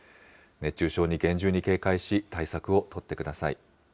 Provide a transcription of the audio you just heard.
熱中症に厳重に警戒し、対策を取ってください。